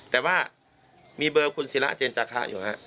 แต่ว่ามีเบอร์คุณศิราเจนจาคะอยู่ฮะ